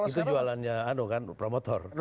itu jualannya anu kan promotor